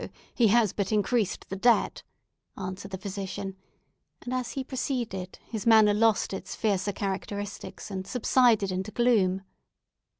He has but increased the debt!" answered the physician, and as he proceeded, his manner lost its fiercer characteristics, and subsided into gloom.